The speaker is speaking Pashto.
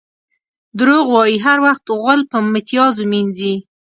دروغ وایي؛ هر وخت غول په میتیازو مینځي.